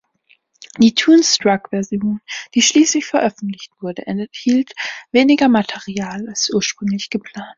Die „Toonstruck“-Version, die schließlich veröffentlicht wurde, enthielt weniger Material als ursprünglich geplant.